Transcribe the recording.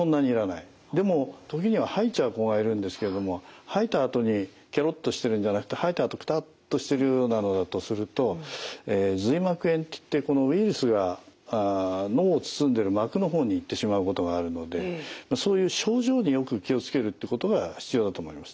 でも時には吐いちゃう子がいるんですけれども吐いたあとにけろっとしてるんじゃなくて吐いたあとくたっとしてるようなのだとすると髄膜炎っていってこのウイルスが脳を包んでる膜の方に行ってしまうことがあるのでそういう症状によく気を付けるってことが必要だと思います。